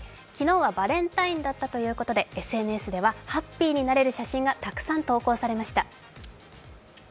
昨日はバレンタインだったということで、ＳＮＳではハッピーになれる写真がたくさん投稿されました。